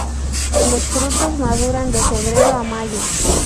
Los frutos maduran de febrero a mayo.